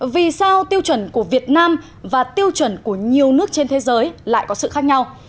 vì sao tiêu chuẩn của việt nam và tiêu chuẩn của nhiều nước trên thế giới lại có sự khác nhau